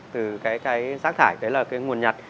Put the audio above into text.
từ cái rác thải đấy là cái nguồn nhặt